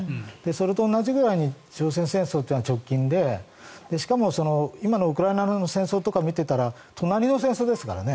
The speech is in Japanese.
それと同じくらいに朝鮮戦争というのは直近でしかも今のウクライナの戦争とかを見ていたら隣の戦争ですからね。